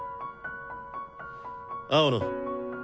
青野。